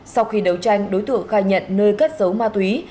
sau khi đấu tranh đối tượng khai nhận nơi cất giấu ma túy